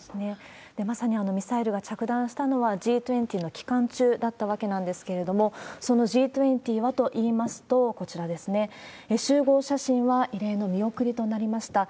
まさにミサイルが着弾したのは、Ｇ２０の期間中だったわけなんですけれども、そのＧ２０はといいますと、こちらですね、集合写真は異例の見送りとなりました。